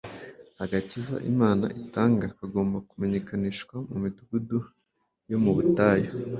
Agakiza Imana itanga kagomba kumenyekanishwa mu midugudu yo mu butayu;